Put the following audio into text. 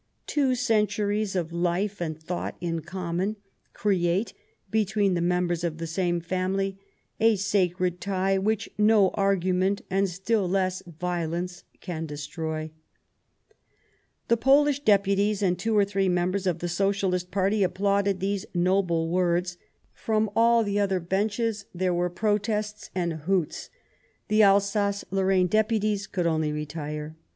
Two centuries of life and thought in common create, between the members of the same family, a sacred tie which no argument, and still less violence, can destroy," The Polish Deputies and two or three members of the Socialist party applauded these noble words ; from all the other benches there were protests and hqots. The Alsace Lorraine Deputies could only retire.